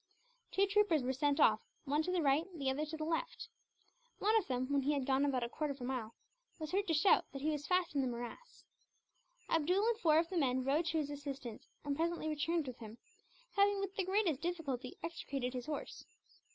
Two troopers were sent off, one to the right, the other to the left. One of them, when he had gone about a quarter of a mile, was heard to shout that he was fast in the morass. Abdool and four of the men rode to his assistance, and presently returned with him, having with the greatest difficulty extricated his horse.